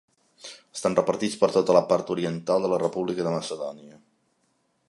Estan repartits per tota la part oriental de la República de Macedònia.